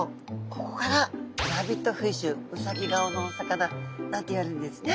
ここからラビットフィッシュウサギ顔のお魚なんていわれるんですね。